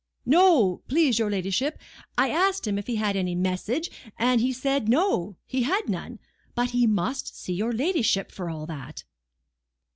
"No! please your ladyship, I asked him if he had any message, and he said no, he had none; but he must see your ladyship for all that."